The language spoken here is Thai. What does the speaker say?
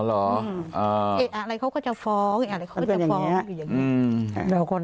อะไรเขาก็จะฟ้องอะไรเขาก็จะฟ้องมันเป็นอย่างเงี้ยอืมแบบคน